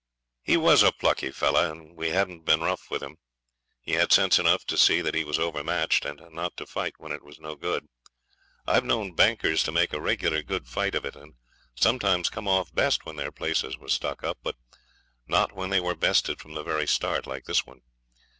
He was a plucky fellow, and we hadn't been rough with him. He had sense enough to see that he was overmatched, and not to fight when it was no good. I've known bankers to make a regular good fight of it, and sometimes come off best when their places was stuck up; but not when they were bested from the very start, like this one.